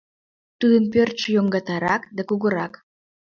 Тудын пӧртшӧ йоҥгатарак да кугурак.